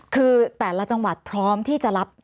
คือแต่ละจังหวัดพร้อมที่จะรับ